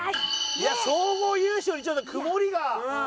総合優勝にちょっと曇りが。